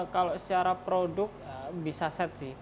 kalau secara produk bisa set sih